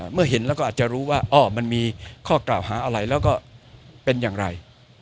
เมื่อเห็นแล้วก็อาจจะรู้ว่ามันมีข้อกล่าวหาอะไรแล้วก็เป็นอย่างไร